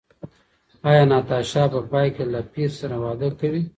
ایا ناتاشا په پای کې له پییر سره واده کوي؟